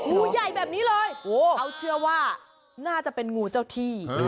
งูใหญ่แบบนี้เลยเขาเชื่อว่าน่าจะเป็นงูเจ้าที่